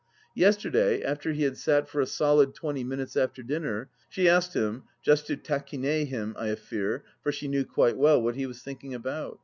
Yesterday, after he had sat for a solid twenty minutes after dinner, she asked him, just to taquiner him, I fear, for she knew quite well, what he was thinking about.